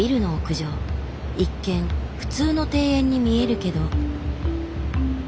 一見普通の庭園に見えるけど。